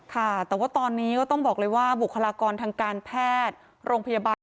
ค่ะแต่ว่าตอนนี้ก็ต้องบอกเลยว่าบุคลากรทางการแพทย์โรงพยาบาล